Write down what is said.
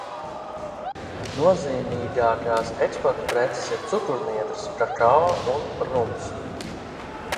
Nozīmīgākās eksportpreces ir cukurniedres, kakao un rums.